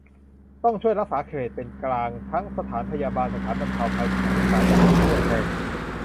ต้องช่วยรักษา 'เขตเป็นกลาง' ทั้งสถานพยาบาล สถานบรรเทาภัย สถานศึกษา อย่าให้มีเคลือบแคลง